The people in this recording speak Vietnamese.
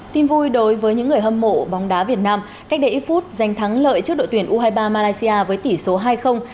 tin vui đối với những người hâm mộ bóng đá việt nam cách đây ít phút giành thắng lợi trước đội tuyển u hai mươi ba malaysia với tỷ số hai